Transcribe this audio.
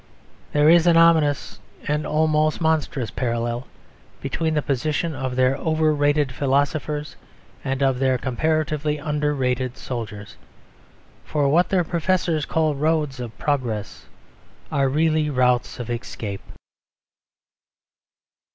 There is an ominous and almost monstrous parallel between the position of their over rated philosophers and of their comparatively under rated soldiers. For what their professors call roads of progress are really routes of escape.